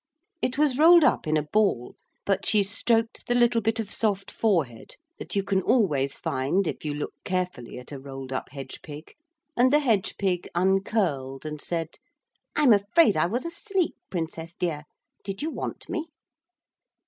It was rolled up in a ball, but she stroked the little bit of soft forehead that you can always find if you look carefully at a rolled up hedge pig, and the hedge pig uncurled and said: 'I am afraid I was asleep, Princess dear. Did you want me?'